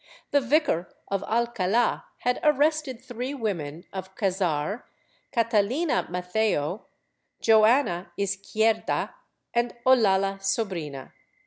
The vicar of Alcala had arrested three women of Cazar, Catalina Matheo, Joana Izquierda, and Olalla Sobrina.